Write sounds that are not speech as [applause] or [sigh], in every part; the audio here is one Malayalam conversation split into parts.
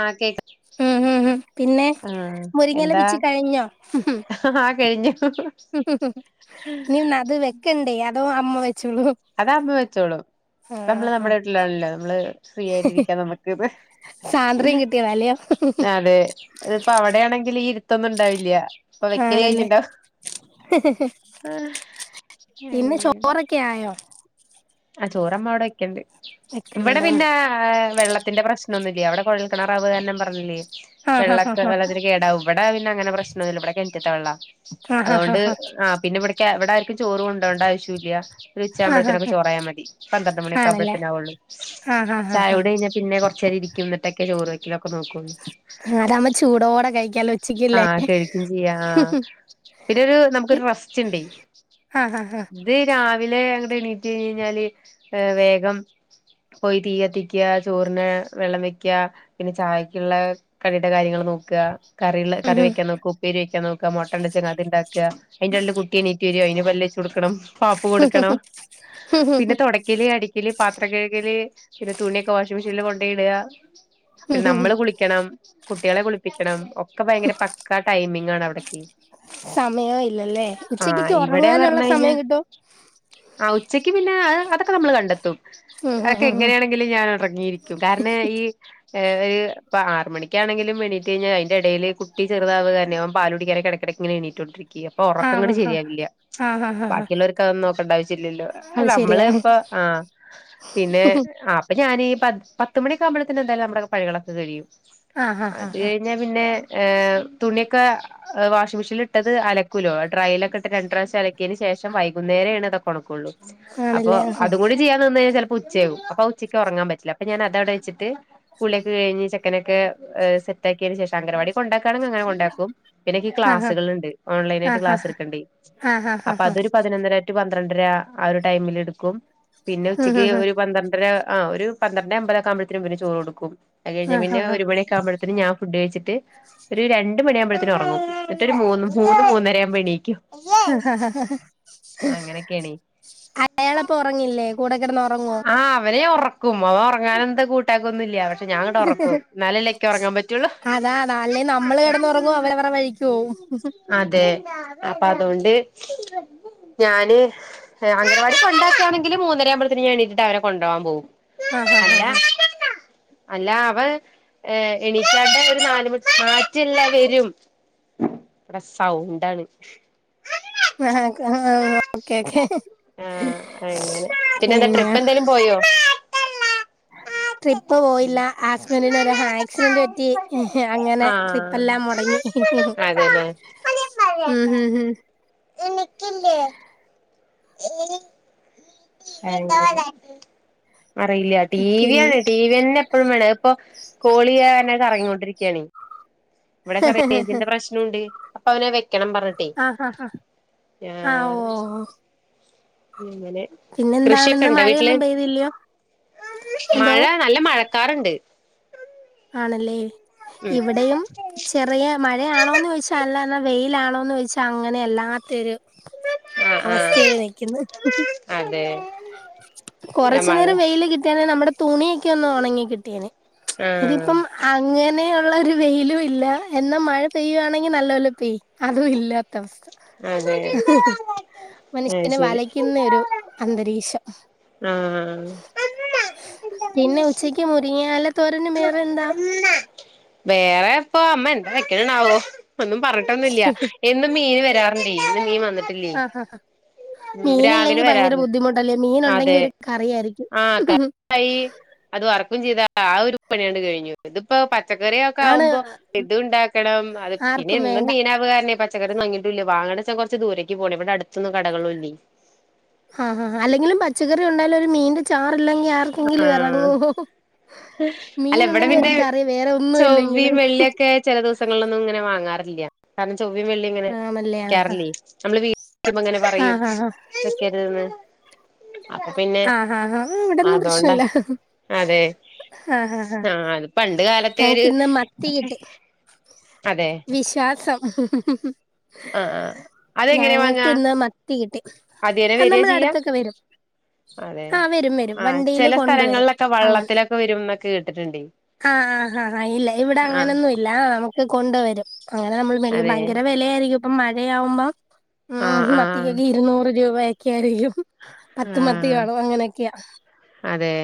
ആഹ് കേക്കാം ഉം ഹു ഹു പിന്നെ മുരിങ്ങയില എന്താ പിച്ചി കഴിഞ്ഞോ? ആഹ് കഴിഞ്ഞു ഇനി അത് വെക്കണ്ടേ അതോ അമ്മ വെച്ചോളു? അത് അമ്മ വെച്ചോളൂം നമ്മള് നമ്മുടെ വീട്ടിലാണല്ലോ നമ്മള് ഫ്രീ ആയിട്ടിരിക്കാ നമുക്ക് ഇന്ന് സ്വാതന്ത്ര്യം കിട്ടിയത അല്ലേ അതെ ഇതിപ്പോ അവിടെയാണെങ്കിൽ ഈ ഇരുത്തൊന്നും ഇണ്ടാവില്ല. പ്പ വെക്കൽഴി ആണല്ലേ ഞ്ണ്ടാവും പിന്നെ ചോറൊക്കെ ആയോ? ആ ചോറമ്മ അവിടെ വെക്ക്ണ്ട് ഇവിടെ വെക്കുന്നുണ്ട് പിന്നെ വെള്ളത്തിന്റെ പ്രശ്നം നന്നുല്ലി അവിടെ കുഴൽ കിണറാ [unintelligible] പറഞ്ഞില്ലേ ആഹ് ആഹ് ആഹ് വെളളത്തിന് ഇവിടെ പിന്നെ അങ്ങനെ പ്രശ്നംന്നുമില്ല ഇവിടെ കെണറ്റത്തെ വെള്ള ആഹ് ആഹ് അതുകൊണ്ട് ആ പിന്നെ ഇവിടെക്ക് ഇവിടെ ആർക്കു ചോറ് കൊണ്ടോവണ്ട ആവശ്യ ഇല്ല ഒരു ആഹ് ആഹ് ഉച്ചാവോമ്പഴത്തിനൊക്കെ ആഹ് ത്തിയാൽ മതി പന്ത്രണ്ട് ആണല്ലേ മണിയാവുമ്പോത്തിനാകുള്ളു ആഹ് ആഹ് ആഹ് ചായകുടി പിന്നെ കുറച്ചുനേരം ഇരിക്കും എന്നിട്ട് ക്കെ ചോറ് വയ്ക്കലക്കെ നോക്കുള്ളു. അതാകുമ്പോ ചൂടേട് കഴിക്കാലോ ഉച്ചക്ക്ല്ലേ പിന്നെരു നമുക്കരു റസ്റ്റ് ഉണ്ടേ ആഹ് ആഹ് ആഹ് ഇത് രാവിലെ അങ്ങട് എണീ റ്റ് കഴിഞ്ഞാല് വേഗം പോയി തീയത്തിക്ക ചോറിന് വെള്ളം വെയ്ക്ക പിന്നെ ചായക്കുള്ള കടിയുടെ കാര്യങ്ങൾ നോക്ക കറി ഉം കറി ഉം വെക്കാ നോക്കു ഉപ്പേരി വെക്കാ നോക്ക മൊട്ടണ്ടെച്ചാങ്കിൽ അത് ഇണ്ടാക്കാ അതിന്റെ ഉള്ളിൽ കുട്ടി എണീറ്റ് വരും അയിന് പല്ല്തേച്ച് കൊടുക്കണം പാപ്പു കൊടുക്കണം പിന്നെ തൊടക്കല് അടിക്കല് പാത്രം കഴുകല് പിന്നെ തുണിയൊക്കെ വാഷിംഗ് മെഷീനിൽ കൊണ്ടോയി യിട പിന്നെ നമ്മള് കുളിക്കണം കുട്ടിയാളെ കുളിപ്പിക്കണം ഒക്കെ ഭയങ്കര പക്കാ ടൈമിംഗ് ആണ് അവിടക്ക് സമയോ ഇല്ലല്ലേ ഉച്ചകൊക്കെ ഇവിടെ ഒറങ്ങാനുള്ള പറഞ്ഞ് കഴിഞ്ഞാ സമയം കിട്ടുവേ ആ ഉച്ചയ്ക്ക് പിന്നെ അതൊക്കെ നമ്മൾ കണ്ടെത്തും ഉം ഉം അതൊക്കെ ഉം ഉം എങ്ങനെയാണ് ഞാൻ ഉറങ്ങിയിരിക്കും കാരണം ഈ ഏ് ഒരു ഇപ്പ ആറ് മണിക്കാണങ്കിലും എണീറ്റ് കഴിഞ്ഞാൽ അതി്ന്റെ ഇടയില് കുട്ടിചെറുതാവ്കാരണം അവ പാലുകുടിക്കാനക്കെഇടക്ക് ങ്ങനെ എണീറ്റ്കൊണ്ടിരിക്ക അപ്പൊ ഉറക്കം ആഹ് കൂടി ആഹ് ശരിയാവില്ല ആഹ് ആഹ് ആഹ് ബാക്കിയുള്ളവർക്ക് അത് നോക്കണ്ട ആവ ഇല്ല ഇല്ല അത് ശരിയാ നമ്മള് ഇപ്പ ആ പിന്നെ ഞാൻ ഈ പത്തുമണിക്ക് ആകുബോഴത്തെ എന്തായാലും നമ്മടെ പണികളൊക്കെ കഴിയും ആഹ് അ ആഹ് ആഹ് ആഹ് പിന്നെ ഏ തുണിയൊക്കെ വാഷിംഗമെഷീനിൽ ഇട്ടത് അലക്കുവോലോ ഡ്രൈലൊക്കെ ഇട്ട് രണ്ട് പ്രാവശ്യ അലക്കിയന് ശേഷം വൈകുന്നേരേണ് ഇക്കെ ഉണക്കുള്ളൂ അപ്പോ ആണല്ലേ ആഹ് അത് കൂടി ചെയ്യാ ചെലപ്പോ ഉച്ചയാവും അപ്പൊ ഉച്ചക്ക് ഉറാങ്ങാൻ പറ്റില്ല അപ്പം ഞാൻ അതവിടെ വെച്ചിട്ട് കുളിയൊക്ക കഴിഞ്ഞ് ചെക്കനൊക്കെ സെറ്റാക്കിയതിന് ശേഷം അംഗൻവാടി കൊണ്ടാക്കി യതിനു ശേഷം അങ്ങനെ കൊണ്ടാകും പിന്നെക്ക് ആഹാ ക്ലാസ്സുകളുണ്ട് ഓൺലൈൻ ആയിട്ട് ആഹാ ക്ലാസ് എടുക്കേണ്ട് ആഹാ അപ്പൊ ആഹാ അതൊരു പതിനൊന്നരാ പന്ത്രണ്ടര ആ ഒരു ടൈമിൽ എടുക്കും പിന്നെ ഉം ഉച്ചക്ക് ഉം ഉം ഒരു പന്ത്രണ്ടര ആഹ് ഒരു പന്ത്രണ്ട് അമ്പതെക്ക്‌ ആവുമ്പഴ്ത്തേക്ക്‌ ഇവന് ചോർ കൊടുക്കും അത് കഴിഞ്ഞാ ആഹാ പിന്നെ ഹാ ഒരു മണി ക്കവുമ്പത്തെന്ന് ഞാൻ ഫുഡ് കഴിച്ചിട്ട് ഒരു രണ്ട് മണിയാവുമ്പോഴ്ത്തേന്ന് ഉറങ്ങും എന്നിട്ടോരു മൂന്ന് മൂന്ന് മൂന്നര ആവുമ്പോത്തിന്ന് എണീക്കും അങ്ങനെയൊക്കെയാണേ അയാളപ്പൊ ഉറങ്ങില്ലേ കൂടെ കിടന്ന് ഉറങ്ങോ ആ അവനെ ഒറക്കും അവൻ ഉറങ്ങാനൻ എന്താ കൂട്ടാക്കൊന്നുല്ല പക്ഷെ ഞാൻ അങ്ങോട്ട് ഒറക്കും എനിക്ക്ക് ഉറങ്ങാൻ പറ്റുള്ളൂ അതാ അതാ അല്ലേ നമ്മള് കിടന്നുറങ്ങും അവരവരുടെ വഴിക്ക് പോവും അതെ അപ്പൊ അതോണ്ട് ഞാന് അംഗനവാടി കൊണ്ടാക്കണെങ്കിൽ മൂന്നര ആവു പിന്നെ ഞാൻ എണീറ്റിട്ട് അവരെ കൊണ്ടു പോവാൻ പോവും ആഹാ ഹാ അല്ല ഹാ അല്ല അവൻ ഏഹ് എണീച്ചാണ്ട ഒരു നാല് മണി ഇവിടെ സൗണ്ടാണ് ആഹ് ഓക്കെ ഓക്കേ ആഹ് അങ്ങനെ പിന്നെ എന്താ ട്രിപ്പ് എന്തേലും പോയോ ട്രിപ്പ് ഉം പോയില്ല ഹസ്ബന്റിനൊരു ആക്സിഡന്റ് പറ്റി അങ്ങനെ ട്രിപ്പ് ആഹ് എല്ലാം മുടങ്ങി അതെല്ലേ ഉം ഹും ഹും അറിയില്ല ടി വി യാണ് പിന്നെ ടി വി തന്നെ എ പ്പോഴും വേണം ഇതിപ്പോ കോളിയന്നെ കറങ്ങിക്കൊണ്ടിരിക്കയാണ് ഇവിടെ ചെറിയാ റേയ്ഞ്ചിന്റെ പ്രശ് നോണ്ട് അപ്പൊ അവന വെക്കണോന്ന് പറഞ്ഞിട്ടേ ആഹ് ആഹ് ആഹ് ആഹ് ഇങ്ങനെ പിന്നെന്താണ് കൃഷിയൊക്കെ ഇന്ന് ഇണ്ടോ വീട്ടില് മഴയൊന്നും പെയ്തില്ലയോ എന്തോ മഴ നല്ല മഴക്കാറുണ്ട് ആണല്ലേ ഇവിടെയും ചെറിയ മഴയാണോന്ന് ചോയിച്ചാ അല്ലാ എന്നാ വെയിലാണോന്ന് ചോയിച്ചാൽ അങ്ങനെ അല്ലാത്തൊരു ആഹ് അവസ്ഥയിൽ ആഹ് നിക്കുന്നു അതെ കൊറച്ചു മഴ നേരം വെയില് കിട്ടിയണെ നമ്മുടെ തുണി ക്കെ ഒന്ന് ഉണങ്ങി കിട്ടിയേനെ ആഹ് ഇതിപ്പം അങ്ങനെയൊള്ളൊരു വെയിലും ഇല്ല എന്നാ മഴ പെയ്യുവാണെങ്കിൽ നല്ലോലെ പെയ്യ് അതും ഇല്ലാത്ത അവസ്ഥ അതെ അത് മനുഷ്യനെ ശരി വലയ്ക്കുന്നൊരു അന്തരീക്ഷം ആഹ് പിന്നെ ഉച്ചയ്ക്ക് മുരിങ്യാല തോരനും വേറെ എന്താ വേറെ ഇപ്പൊ അമ്മ എന്താ വെക്കണെന്നാവോ ഒന്നും പറഞ്ഞി ട്ടൊന്നില്ല എന്നും മീന് വരാറുണ്ടേ ഇന്ന് മീൻ വന്നിട്ടില്ലേ ആഹാ ഉം മീനില്ലെങ്കി രാവിലെ ഭയങ്കര വരാറ് ബുദ്ധിമുട്ടല്ലേ മീൻ ഉണ്ടെങ്കി ഒരു കറിയയിരിക്കും അയ്യേ അത് വർക്കും ചെയ്താ ആഹ് ഒരു പണിയാങ്ങട്ട് കഴിഞ്ഞു ഇതിപ്പോ പച്ചക്കറിയൊക്കെ ആണ് ആവുമ്പോ ഇതു ഉണ്ടാക്കണം അത് പിന്നെ ആർക്കും ഇന്നും വേണ്ട മീനാവാര്ണേ പ പച്ചക്കറി വാങ്ങിട്ടുല്ല വാങ്ങണെച്ചാ കുറച്ച് ദൂരേക്ക് പോണെ ഇവിടെ അടുത്തൊന്ന് കടകളുല്ലേ ആഹ് ഹാ അല്ലെങ്കിലും പച്ചക്കറി ഉണ്ടായാലും ഒരു മീന്റെ ചാറില്ലെങ്കി ആ ക്കെങ്കിലും ആഹ് ഇറങ്ങുവോ അല്ല ഇവിടെ മീനുണ്ടെങ്കിൽ പിന്നെ ഒരു കറി വേറെ ഒന്നു ചൊവ്വയും ഇല്ലെങ്കിലും വെള്ളിയൊക്കെ ചില ദിവസങ്ങളിലൊന്നും ഇങ്ങനെ വാങ്ങാറില്ല കാരണം ചൊവ്വയും വെള്ളിയും ഇങ്ങനെ ആണല്ലേ ആ വെക്കാറില്ലേ നമ്മള് വീട്ട്ല് അങ്ങനെ ആ പറയും ആ വെക്കരുതെന്ന് അപ്പൊ പിന്നെ ആഹ് ഹാ ഇവിടൊന്നും അതോണ്ടാ പ്രശ്നല്ല അതെ ആഹ് ഹാ ഹാ ആഹ് അത് പണ്ട് കാലത്തെ ഒരു ഞങ്ങക്കിന്ന് മത്തി കിട്ടി അതെ വിശ്വാസം ആഹ് ആഹ് അതെങ്ങനെയ വാങ്ങാ ഞങ്ങക്ക് ഇന്ന് മത്തി കിട്ടി അദ്യനെ അത് വരാ നമ്മുടെ ചെയ്യാ അടുത്തൊക്കെ വരും അതെ ആ വരും വരും ആഹ് വണ്ടിയില് ചില കൊണ്ടുവരും സ്ഥലങ്ങളിലൊക്കെ വെള്ളത്തിലൊക്കെ വരുന്നൊക്കെ കേട്ടിട്ടുണ്ട് ആഹ് ഹ ഹ ഇല്ല ഇവിടെ അങ്ങനെന്നും ഇ ല്ലാ നമുക്ക് കൊണ്ട് വരും അങ്ങനെ നമ്മൾ മേടിക്കും അതെ ഭയങ്കര വിലയായിരിക്കും ഇപ്പം മഴയാവുമ്പോ ആഹ് ഉം ആഹ് മത്തിക്കൊക്കെ ഇരുന്നൂറ് രൂപയക്കെ ആരിക്കും പത്ത് മത്തി ആഹ് കാണും അങ്ങനെയൊക്കെയാ അതെ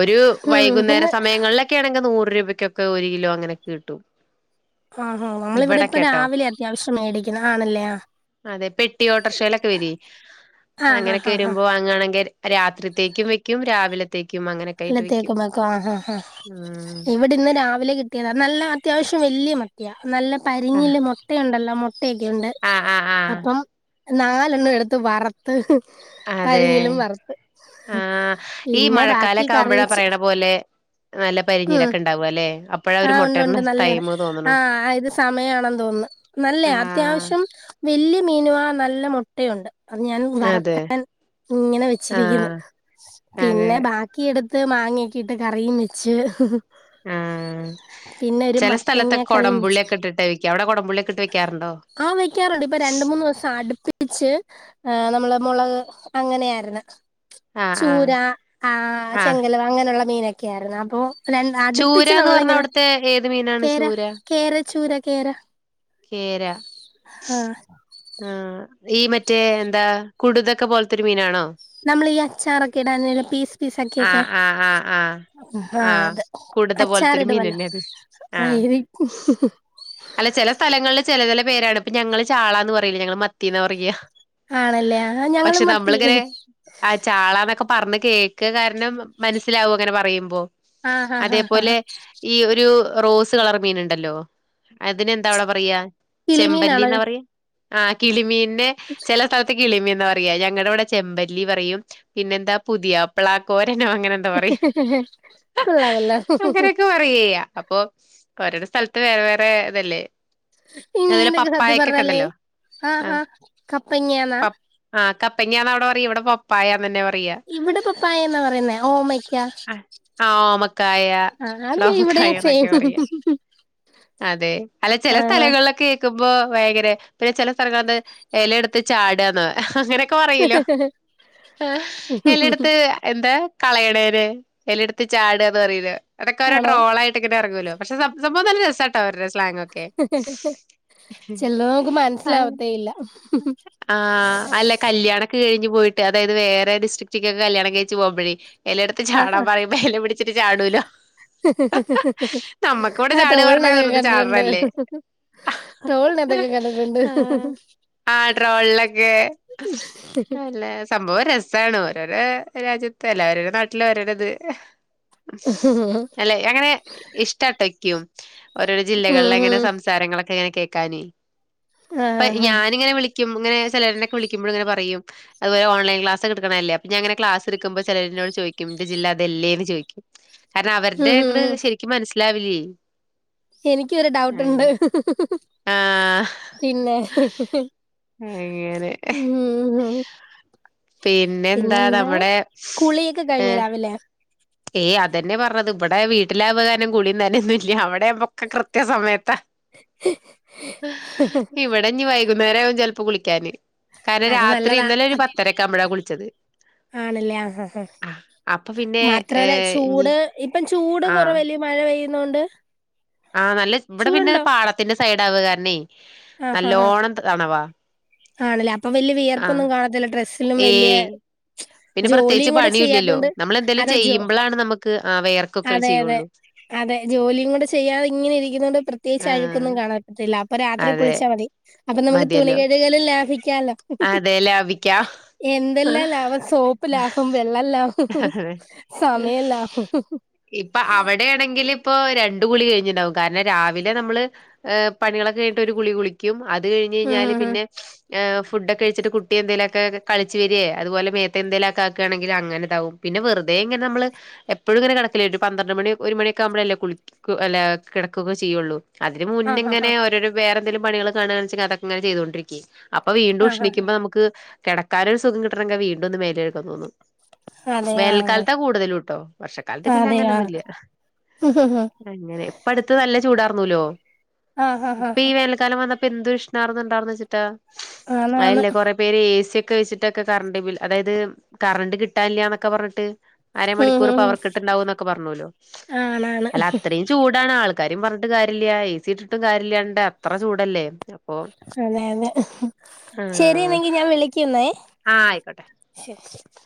ഒരു ഉം വൈകുന്നേര ഇന്ന് സമയങ്ങളിലൊ ക്കെ ആണെങ്കി നൂറു രൂപയ്ക്കൊക്കെ ഒരു കിലോങ്ങനൊകിട്ടും ആഹ് ആഹ് നമ്മളിവിടെ ഇപ്പം രാവിലെ അത്യാവശ്യം മേടിക്കുന്ന ആണല്ലേ അതെ പെട്ടി ഓട്ടോറിഷയിലൊക്കെ വര്യേ ആഹ് ആഹ് ആഹ് ആഹ് വരുമ്പോ വാങ്ങാണെങ്കിൽ രാത്രിത്തേക്കും വെക്കും രാവിലത്തേക്കും അങ്ങനെ വല്ലത്തേക്കും വെക്കാ ആഹ് ആഹ് ഇവിടെ ഇന്ന് രാവിലെ കിട്ടിയതാ നല്ല അത്യാവശ്യം വല്യ മ യാ നല്ല ആഹ് പരിഞ്ഞില് മുട്ടയുണ്ടല്ലോ മുട്ടയൊക്കെുണ്ട് ആഹ് ആഹ് ആഹ് അപ്പം നാലെണ്ണം എടുത്ത് വറ ത് അതെ പരിഞ്ഞിലും വറുത്ത് പിന്നെ ബാ താമ്പഴ പറയണ പോലെ നല്ല ഉം പരിഞ്ഞിലൊക്കെ ണ്ടാവുല്ലെ അപ് ആഹ് ഉണ്ട് ഉണ്ട് നല്ലണ് ആത് സമയമാണെന്ന് തോന്നുന്നു നല്ല ആഹ് അത്യാവശ്യം വല്യ മീന ആ നല്ല മുട്ടയുണ്ട് അത് ഞാൻ അതെ വറക്കാൻ ഇങ്ങനെ വെച്ചിരിക്കുന്നു ആഹ് അതെ പിന്നെ ബാ ക്കി എടുത്ത് മാങ്ങൊക്കിയിട്ട് കറിയും വെച്ച് ആഹ് പിന്നെ ഒരു ചില മത്തങ്ങ സ്ഥലത്തെക്കെ കറിയും വെച്ച് കൊടംപുള്ളിയൊക്കെ ഇട്ടിട്ടേ വെക്ക അവിടെ കൊടംപുള്ളിയൊക്കെ ഇട്ട് വെക്കാറുണ്ടോ ആഹ് വെക്കാറുണ്ട് ഇപ്പൊ രണ്ട് മൂന്നോസം അടുപ്പി പിച്ച് ആഹ് നമ്മള് മുളക് അങ്ങനെയ ആയിരുന്നു ആഹ് ആഹ് ചൂരാ ആഹ് ചെങ്കൽവ അങ്ങനെയുള്ള മീനൊക്കെ ആയിരുന്നു അപ്പോ അടുപ്പിച്ച് ചൂരാന്ന് നമ്മൾ പറഞ്ഞ ഇങ്ങനെ അവിടുത്തെ ഏത് മീനാണ് കേര ചൂര? കേര ചൂര കേര കേര ആഹ് ആഹ് ഈ മറ്റേ എന്താ കുടുതൊക്കെ പോലത്തെരു മീനാണോ നമ്മൾ ഈ അച്ചാറൊക്കെ ഇട പീസ് പീസാക്കിയൊക്കെ ആഹ് ആഹ് ആഹ് ആഹ് ആഹ് അത് കുടുത പോലത്തൊരു അച്ചാറിടുവല്ലോ മീനന്നെ അത് ആഹ് ആയ് വക്കും അല്ല ചില സ്ഥലങ്ങളിൽ ചില ചില പേരാണ് ഇപ്പൊ ഞങ്ങള് ചാളാന്ന് പറയില്ല ഞങ്ങള് മത്തിന്ന് പറയ ആണല്ലേ ആഹ് ഞങ്ങള് മത്തി ആഹ് ചാളന്നൊക്കെ പറഞ്ഞ കേക്ക കാരണം മനസ്സിലാവും അങ്ങനെ പറയുമ്പോ ആ ആ ആ ആ അതേപോലെ ഈ ഒരു റോസ് കളർ മീന് ഉണ്ടല്ലോ അതിനെന്താ അവിടെ പറയാ ചെമ്പല്ലി കിളിമീനാണോ ന്നാ പറി ആഹ് കിളിമീനെ ചില സ കിളിമീന്നാ പറയാ ഞങ്ങളുടെ ഇവിടെ ചെമ്പല്ലി പറയും പിന്നെന്താ പുതിയാപ്ല ക്കോരനോ അങ്ങനെന്ത ഹേ ഹേ ഹേ കൊള്ളാമല്ലോ ഹും ഹും [unintelligible] അപ്പൊ ഓരോ രൊ സ്ഥലത്ത് വേറെ തല്ലേ ഇ നീല സത്യം പറഞ്ഞാല് ആഹ് ഹഹ് കപ്പങ്ങ്യന്നാ പ ആഹ് കപ്പങ്ങാന്ന അവ്ടെ പറയി ഇവിടെ പപ്പായാന്ന്ന്നെ പറയാ ഇവിടെ പപ്പായ എന്നാ പറയുന്നേ ഓമയ്ക്ക് ആ ഓമക്കായ ആ അത് വടേ ഇവിടെയും സെയിം ഓമക്കായന്നൊക്കെ പറയാ അതെ അല്ല ചില ആ സ്ഥലങ്ങളിലൊക്കെ പോ ഭയങ്കര പിന്നെ ചില സ്ഥല ഇല എടുത്ത് ചാടന്ന അങ്ങനെ പറയല്ലോ ചേലേട്ത്ത് എന്താ കളയണേന് ചേലെടത്ത് ചാടന്ന് പറിയിണ അതൊക്കെ ഓരോ ആണോ ട്രോൾ ആയിട്ട് ഇങ്ങനെ ഇറങ്ങുവല്ലോ പക്ഷെ സംഭവം നല്ല രസാട്ടോ അവരുടെ സ്ലാങ് ഒക്കെ ചിലത് നമുക്ക് മനസ്സിലാവത്തേ ഇല്ല ആഹ് അല്ല കല്യാണ കഴിഞ്ഞു പോയിട്ട് അതായത് വേറെ ഡിസ്ട്രിക്റ്റ്ക്ക കല്യാണം കഴിച്ച് പോവമ്പഴേ ചേലെ എടുത്ത് ആ ചാടാൻ പറയുമ്പ എല പിടിച്ചിറ്റ് ചാടൂലൊ ഹി ഹി ഹി ആഹ് ചാട് തോടിലൊക്കെ പറഞ്ഞാ അതൊക്ക വെറുതെ കണ്ടിട്ടുണ്ട് ചാടണല്ലേ? ട്രോൾന എന്തൊക്കെ കണ്ടിട്ടൊണ്ട് ആഹ് ആഹ് ട്രോളിലൊക്കെ അല്ലേ സംഭവം രസ- സാണ് ഓരോരോ രാജ്യത്ത് അല്ലേ ഓരോരോ നാട്ടില് ഓരോരോ ഇത് അല്ലെ അങ്ങനെ ഇഷ്ടാട്ടക്കും ഓരോരോ ഉം ജില്ലകളിലേ എങ്ങനെ ഉം സംസാരങ്ങളൊക്കെ എങ്ങനെ കേൾക്കാന് ആ ഇപ്പ ആ ഞാനിങ്ങനെ വിളിക്കും ഇങ്ങനെ ചിലരനൊക്കെ വിളിക്കുമ്പോഴ ഇങ്ങനെ പറയും അതുപോല ഓൺലൈ ക്ലാസ് എടുക്കണല്ലേ അപ്പ അങ്ങന ക്ലാസ് എടുക്ക്പോ ചെലരോട് ചോദിക്കും ഇന്റെ ജില്ല അതല്ലേന്ന് ചോയിക്കും കാരണം അവരുടെ ഉം അങ്ങട് ഉം ശെരിക്കും മനസ്സിലാവില്യേ എനിക്കു ഒരു ഡൗട്ടുണ്ട് ആഹ് ഹേ ഹും ഹും ഹും പിന്നെ അങ്ങനെ ഉം ഉം പിന്നെന്താ കുളീയൊക്കെ കഴിഞ്ഞോ രാവിലെ ഏ അതന്നെ പറഞ്ഞത് ഇവടെ വീട്ടില അവകാര്നം കുളീം നനേന്നും ഇല്ല അവടെ ആവ്മ്പം കൃത്യ സമയത്താ ഇവ ടെ ഇനി വൈകുന്നേര ആകും ചെലപ്പോ കുളിക്കാന്. കാരണം അത് രാത്രി നല്ലതാ ഇന്നലെ ഒരു അത് പത്തരേക്ക ആകുമ്പഴാ കുളിച്ചത് ആണല്ലേ ആഹ് ഹ്ങാ ഹ്‌ങ അപ്പൊ പിന്നെ മറ്റ് ത്രല്ലേ ഏഹ് ഇനി ചൂട് ഇപ്പം ചൂട് ആഹ് കൊറവല്ലേ മഴ പെയ്യുന്നോണ്ട് ആഹ് നല്ല ഇവിടെ പിന്നെ ചൂടുണ്ടോ പാടത്തിന്റെ സൈഡാവുക കാരണേ ആഹ് ഹാ ഹാ നല്ലോണം തണവാ ആണല്ലേ അപ്പൊ വല്ല്യ ആഹ് വിയർപ്പൊന്നും കാണത്തില്ല ഡ്രസ്സ് ല്ലും വല്ല്യാ ഏയ് പിന്നെ പ്രത്യേകിച്ച് പണിയു ഇല്ലല്ലോ. നമ്മള് എന്തേലും അതാ ജോ ചെയ്യുമ്പളാണ് നമ്മക്ക് ആ വെയർക്കൊക്കെ അതെ അതെ ചെയ്യുള്ളൂ അതെ ജോലിയും കൂടെ ചെയ്യാതെ ഇങ്ങനെ ഇരിക്കുന്നോണ്ട് പ്രത്യേകിച്ച് ആഹ് അഴ്ക്കൊന്നും കാണാൻ പറ്റത്തില്ല. അപ്പൊ രാത്രി അതെ അപ്പൊ നമുക്ക് തുണി മതിയല്ലോ കഴുകലും ലാഭിക്കാലോ. അതെ ലാഭിക്കാം. എന്തെല്ലാം ലാഭം സോ പ്പ് ലാഭം വെള്ളം ലാഭം അതെ. സമയം ലാഭം ഇപ്പ അവടെയാണെങ്കില് ഇപ്പോ രണ്ടു കുളി കഴിഞ്ഞിണ്ടാവും കാരണം രാവിലെ നമ്മള് എഹ് പണികളൊക്കെ കഴിഞ്ഞിട്ട് ഒരു കുളി കുളിക്കും അത് കഴിഞ്ഞ് ഉം ഴിഞ്ഞാല് ഉം ഉം പിന്നെ ഏഹ് ഫുഡൊക്കെ കഴിച്ചിട്ട് കുട്ടി എന്തേലൊക്കെ കളിച്ച് വരേ അതുപോല മേത്തെ എന്തേലക്കെ ആക്കേണങ്കില് അങ്ങന ഇതാവും പിന്ന വെറുതെ ഇങ്ങന നമ്മള് എപ്പൊഴും ഇങ്ങനെ കെടക്കില്ലേ ഒരു പന്ത്രണ്ട് മണി ഒരു മണി ഒക്കെ ആവുമ്പഴല്ലേ കുളിക്ക് ഒക്കൂ അല്ലേ കെടക്കൂക്കെ ചെയ്യോള്ളൂ അതിന് മുന്നേ ആഹ് ആഹ് ഇങ്ങനെ ഓരോരൊ വേറെന്തേലും പണികള് കാണേണ്ന്ന്ച്ച് അതക്ക ഇങ്ങനെ ചെയ്തോണ്ടിരിക്കേ അപ്പ വീണ്ടും ആഹ് ആഹ് ഉഷ്ണിക്കുമ്പ നമ്മ്ക്ക് കെടക്കാനൊരു സുഖം കിട്ടണെങ്കി വീണ്ടും ഒന്ന് മേല് കഴ്കാൻ തോന്നും അതെ ആഹ് വേനൽക്കാലത്താ കൂടുതലും ട്ടോ വർഷക്കാലത്ത് പിന്നെ അങ്ങനെ അതെയാ ഒന്നും ഇല്ല അങ്ങനെ ഇപ്പ അടുത്ത് നല്ല ചൂടാർന്നൂലോ ആഹ് ഇപ്പ ഈ ആഹ് വേനൽക്കാലം വന്നപ്പ് എന്ത് ഉഷ്ണാർന്ന് ഉണ്ടാർന്ന് വെച്ചിട്ടാ ആണാണ് അയ്ല്ലേ കൊറെ പേര് എ സി ഒക്കെ വെച്ചിട്ടൊക്കെ കറണ്ട് ബിൽ അതായത് കറണ്ട് കിട്ടാനില്ല്യാന്നൊക്കെ പറഞ്ഞിട്ട് ഉം അരമണിക്കൂറ് ഉം ഉം. പവർക്കട്ട് ഇണ്ടാവോന്നൊക്ക പറഞ്ഞോല്ലോ ആണാണ് അല്ല അത്രയും ചൂടാണ് ആൾക്കാരും പറഞ്ഞിട്ട് കാര്യല്ല എ സി ഇട്ടിട്ടും കാര്യല്ലാണ്ട് അത്ര ചൂടല്ലേ അപ്പൊ അതെ അതെ ശരി ആഹ് എന്നെങ്കി ഞാൻ വിളിക്ക്ന്നേ ആഹ് ആയിക്കോട്ടെ ശരി ശരി